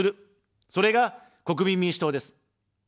それが、国民民主党です。